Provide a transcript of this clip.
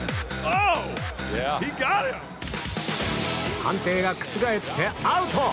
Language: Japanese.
判定が覆ってアウト！